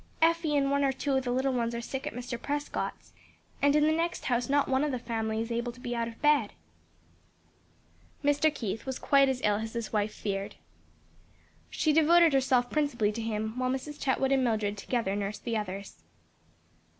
Effie and one or two of the little ones are sick at Mr. Prescott's, and in the next house not one of the family is able to be out of bed." Mr. Keith was quite as ill as his wife feared. She devoted herself principally to him, while Mrs. Chetwood and Mildred together nursed the others.